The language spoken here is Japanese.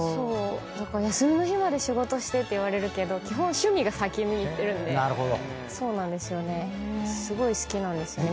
だから休みの日まで仕事してって言われるけど基本趣味が先にいってるんでそうなんですよね。すごい好きなんですよ。